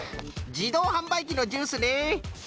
じどうはんばいきのジュースね。